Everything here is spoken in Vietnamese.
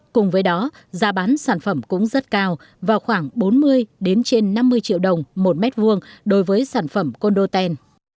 cùng với đó giá bán sản phẩm cũng rất cao vào khoảng bốn mươi năm mươi triệu đồng một m hai đối với sản phẩm condotel